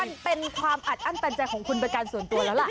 มันเป็นความอัดอั้นตันใจของคุณเป็นการส่วนตัวแล้วล่ะ